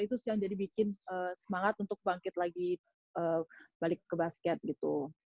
itu yang jadi bikin semangat untuk bangkit lagi balik ke basket gitu